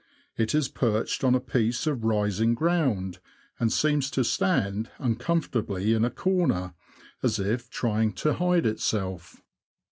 It is perched on a piece of rising ground, and seems to stand uncom fortably in a corner, as if trying to hide itself.